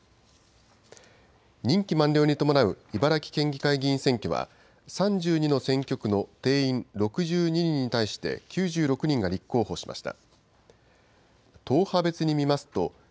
任期満了に伴う茨城県議会議員選挙は、３２の選挙区の定員６２人に対して、９６人が立候補しました。